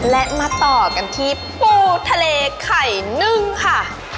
และมาต่อกันที่ปูทะเลไข่นึ่งค่ะ